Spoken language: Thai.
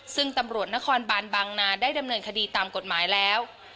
ซึ่งตำรวจนครบานบางนาได้ดำเนินคดีตามกฎหมายแล้ว